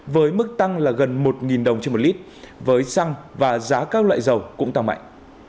với mức tăng là gần một đồng trên một lít với xăng và giá các loại dầu cũng tăng mạnh